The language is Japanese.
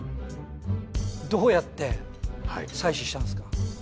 どうやって採取したんですか？